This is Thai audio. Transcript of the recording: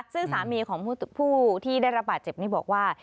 ซึ่งสามีของผู้ที่ได้รับบาดเจ็บนี้บอกว่า